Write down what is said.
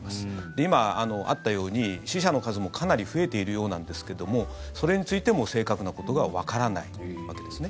今あったように死者の数もかなり増えているようなんですがそれについても正確なことがわからないというわけですね。